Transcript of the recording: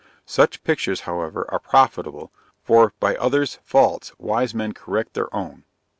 Such pictures, however, are profitable, for "by others' faults wise men correct their own."